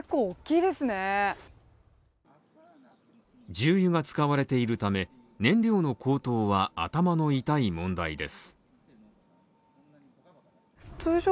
重油が使われているため、燃料の高騰は頭の痛い問題です。